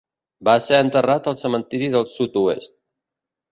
Va ser enterrat al Cementiri del Sud-oest.